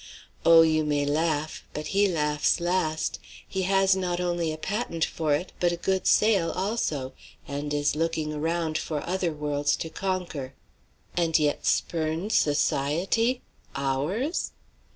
Oh! you may laugh; but he laughs last. He has not only a patent for it, but a good sale also, and is looking around for other worlds to conquer." "And yet spurns society? Ours!"